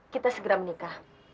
kita segera menikah